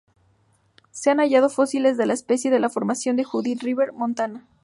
Se han hallado fósiles de la especie en la Formación de Judith River, Montana.